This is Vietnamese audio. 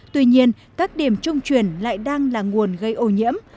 tuy nhiên các điểm trung chuyển lại đang là nguồn gây ổ nhiễm